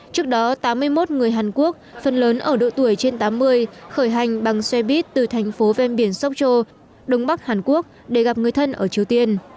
trước đó tám mươi một người hàn quốc phần lớn ở độ tuổi trên tám mươi khởi hành bằng xe buýt từ thành phố ven biển sokcho đông bắc hàn quốc để gặp người thân ở triều tiên